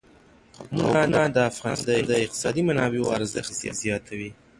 قومونه د افغانستان د اقتصادي منابعو ارزښت زیاتوي.